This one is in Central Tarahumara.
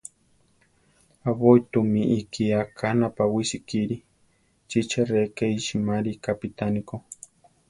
Aʼbói tu mi ikía ka napawísi kíri; chi che rʼe ke iʼsimári iʼkápitani ko.